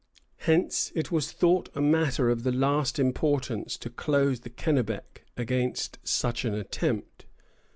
Hence it was thought a matter of the last importance to close the Kennebec against such an attempt.